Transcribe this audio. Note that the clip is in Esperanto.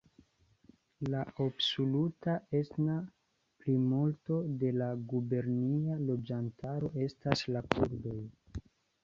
La absoluta etna plimulto de la gubernia loĝantaro estas la kurdoj.